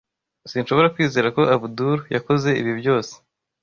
Sinshobora kwizera ko Abdul yakoze ibi byose.